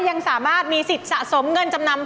ยังสามารถมีสิทธิ์สะสมเงินจำนำ